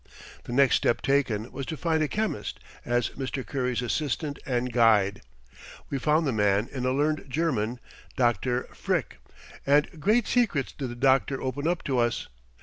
The next step taken was to find a chemist as Mr. Curry's assistant and guide. We found the man in a learned German, Dr. Fricke, and great secrets did the doctor open up to us.